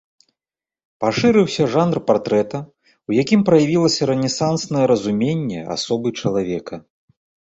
Пашырыўся жанр партрэта, у якім праявілася рэнесанснае разуменне асобы чалавека.